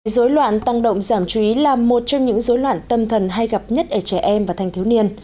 dối loạn tăng động giảm chú ý là một trong những dối loạn tâm thần hay gặp nhất ở trẻ em và thanh thiếu niên